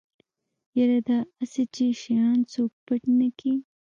يره دا اسې چې شيان څوک پټ نکي.